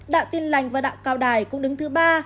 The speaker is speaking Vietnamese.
đạo tin lành và đạo cao đài cũng đứng thứ ba